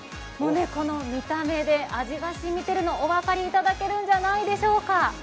この見た目で味が染みてるのお分かりいただけるんじゃないでしょうか。